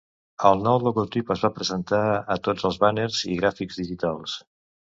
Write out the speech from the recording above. El nou logotip es va presentar a tots els bàners i gràfics digitals.